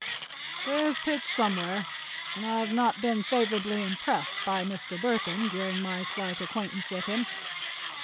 "There's pitch somewhere, and I've not been favorably impressed by Mr. Burthon during my slight acquaintance with him.